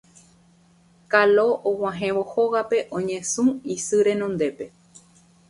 Kalo og̃uahẽvo hógape oñesũ isy renondépe